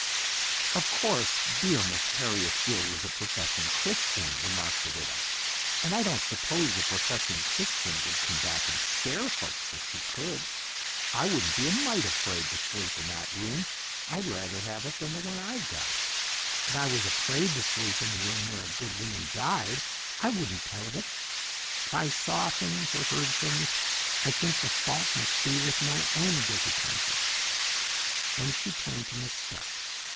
"Of course dear Miss Harriet Gill was a professing Christian," remarked the widow, "and I don't suppose a professing Christian would come back and scare folks if she could. I wouldn't be a mite afraid to sleep in that room; I'd rather have it than the one I've got. If I was afraid to sleep in a room where a good woman died, I wouldn't tell of it. If I saw things or heard things I'd think the fault must be with my own guilty conscience." Then she turned to Miss Stark.